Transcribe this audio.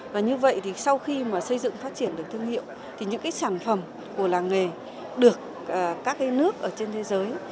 và như vậy thì sau khi mà xây dựng phát triển được thương hiệu thì những cái sản phẩm của làng nghề được các cái nước ở trên thế giới